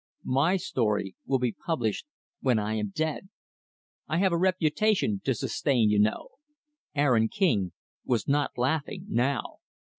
My story will be published when I am dead. I have a reputation to sustain, you know." Aaron King was not laughing, now.